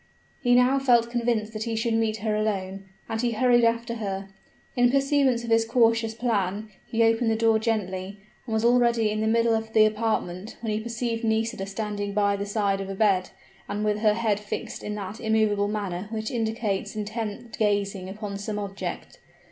He now felt convinced that he should meet her alone, and he hurried after her. In pursuance of his cautious plan, he opened the door gently, and was already in the middle of the apartment, when he perceived Nisida standing by the side of a bed, and with her head fixed in that immovable manner which indicates intent gazing upon some object.